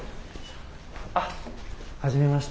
あっはじめまして。